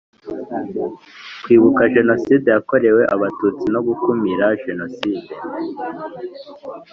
Kwibuka Jenoside yakorewe Abatutsi no gukumira Jenoside